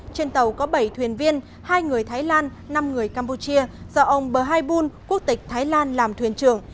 trên tàu có bảy thuyền viên hai người thái lan năm người campuchia do ông bha bun quốc tịch thái lan làm thuyền trưởng